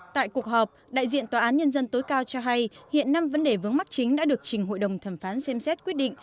tại cuộc họp đại diện tòa án nhân dân tối cao cho hay hiện năm vấn đề vướng mắt chính đã được trình hội đồng thẩm phán xem xét quyết định